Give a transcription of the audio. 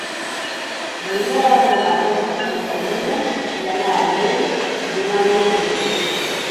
Volia abandonar aquestes companyies i anar amb ells donant-los diners